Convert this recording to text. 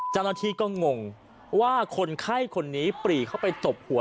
เจ้าหน้าที่ก็งงว่าคนไข้คนนี้ปรีเข้าไปตบหัว